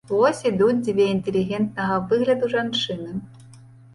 Вось ідуць дзве інтэлігентнага выгляду жанчыны.